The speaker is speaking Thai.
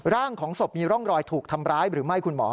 ร่างของศพมีร่องรอยถูกทำร้ายหรือไม่คุณหมอ